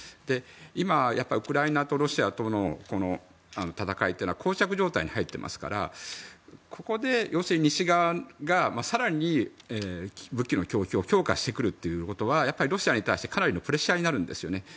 今、ウクライナとロシアとの戦いというのはこう着状態に入っていますからここで西側が更に武器の供給を強化してくるということはロシアに対してかなりのプレッシャーになるんですよね。